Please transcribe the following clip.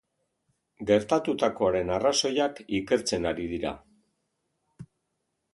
Gertatutakoaren arrazoiak ikertzen ari dira.